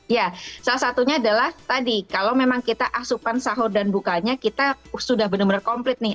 ya salah satunya adalah tadi kalau memang kita asupan sahur dan bukanya kita sudah benar benar komplit nih